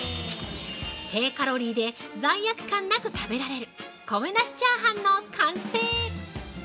低カロリーで罪悪感なく食べられる米なしチャーハンの完成！